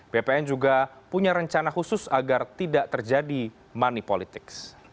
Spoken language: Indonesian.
bpn juga punya rencana khusus agar tidak terjadi manipolitik